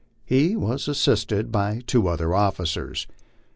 He was assisted by two other >fficers.